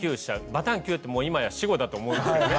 バタンキューってもう今や死語だと思うんですけどね。